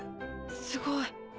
すごい。